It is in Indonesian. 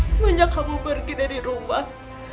semenjak kamu pergi dari rumah